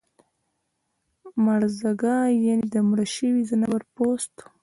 مړزګه یعنی د مړه شوي ځناور پوست